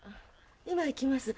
今行きます。